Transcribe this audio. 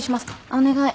お願い。